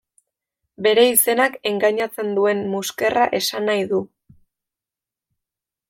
Bere izenak engainatzen duen muskerra esan nahi du.